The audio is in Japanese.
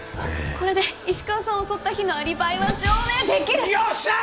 これで石川さんを襲った日のアリバイは証明できるよっしゃー！